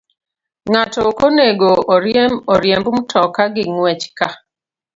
Ng'ato ok onego oriemb mtoka gi ng'wech ka